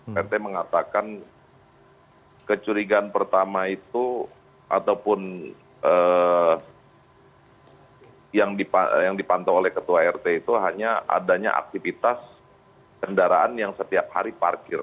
rt mengatakan kecurigaan pertama itu ataupun yang dipantau oleh ketua rt itu hanya adanya aktivitas kendaraan yang setiap hari parkir